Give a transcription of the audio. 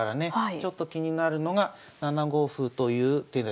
ちょっと気になるのが７五歩という手です。